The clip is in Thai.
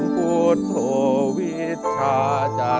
โปรดติดตามต่อไป